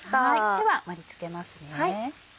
では盛り付けますね。